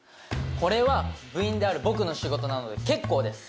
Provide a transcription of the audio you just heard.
これは部員である僕の仕事なので結構です。